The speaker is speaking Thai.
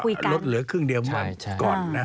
ส่วนอันก็ลดเหลือครึ่งเดียววันก่อนนะ